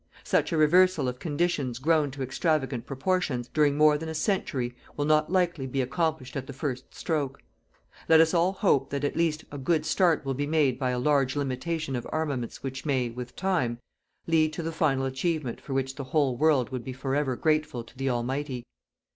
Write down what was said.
Such a reversal of conditions grown to extravagant proportions, during more than a century, will not likely be accomplished at the first stroke. Let us all hope that, at least, a good start will be made by a large limitation of armaments which may, with time, lead to the final achievement for which the whole world would be forever grateful to the Almighty.